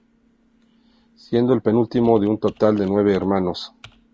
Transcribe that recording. Siendo el penúltimo de un total de nueve hermanos.